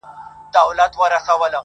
o اوس يــې آهـونـــه په واوښتـل.